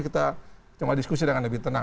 kita cuma diskusi dengan lebih tenang